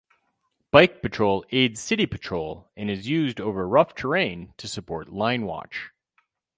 Bike patrol aids city patrol and is used over rough terrain to support linewatch.